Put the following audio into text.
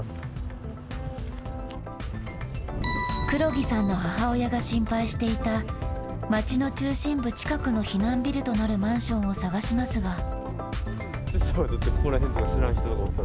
黒木さんの母親が心配していた、町の中心部近くの避難ビルとなるマンションを探しますが。